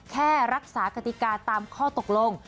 แค่รักษากติกาตามข้อตกลง